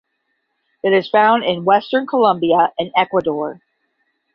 It is found in western Colombia and Ecuador.